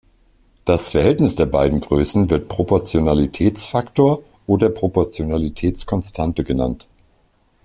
Das Verhältnis der beiden Größen wird Proportionalitätsfaktor oder Proportionalitätskonstante genannt.